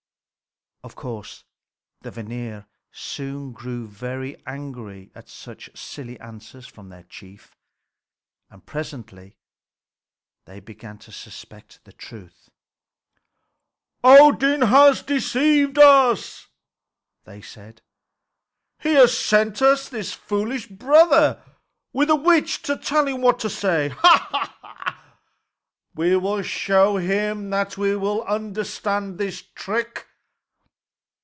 Of course the Vanir soon grew very angry at such silly answers from their chief, and presently they began to suspect the truth. "Odin has deceived us," they said. "He has sent us his foolish brother with a witch to tell him what to say. Ha! We will show him that we understand the trick."